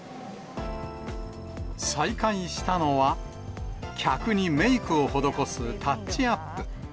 再開したのは、客にメークを施すタッチアップ。